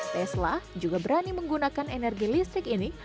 tesla juga berani menggunakan energi listrik ini